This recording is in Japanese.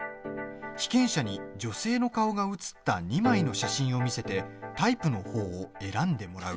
被験者に女性の顔が写った２枚の写真を見せてタイプのほうを選んでもらう。